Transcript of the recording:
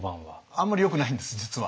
あんまりよくないんです実は。